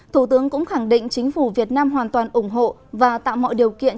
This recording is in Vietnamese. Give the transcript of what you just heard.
thủ tướng cũng khẳng định chính phủ việt nam hoàn toàn ủng hộ và tạo mọi điều kiện